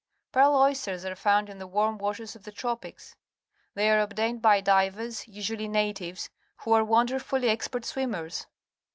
Pearl oj^sters are found in the Avarm waters of the tropics. They are obtained by divers, usually natives, who are wonder fully expert swimmers.